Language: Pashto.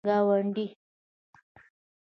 گاونډی